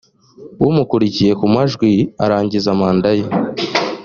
umukurikiye mu majwi arangiza manda ye